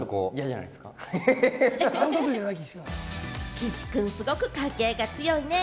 岸君、すごくカーキ愛が強いね。